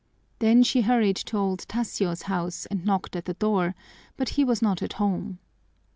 Then she hurried to old Tasio's house and knocked at the door, but he was not at home.